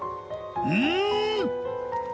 うん！？